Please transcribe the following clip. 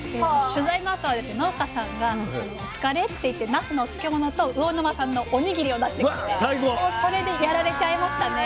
取材のあとは農家さんが「お疲れ」って言ってなすのお漬物と魚沼産のお握りを出してきてもうそれでやられちゃいましたね。